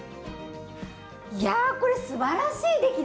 いやこれすばらしい出来ですね。